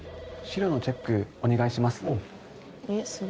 資料のチェックお願いします。